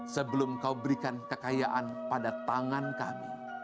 sebelum kau berikan kekayaan pada tangan kami